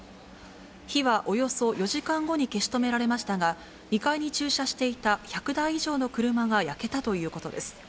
火はおよそ４時間後に消し止められましたが、２階に駐車していた１００台以上の車が焼けたということです。